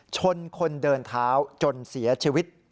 ชนคนเดินเท้าจนเสียชีวิต